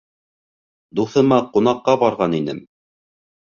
Дуҫыма ҡунаҡҡа барған инем.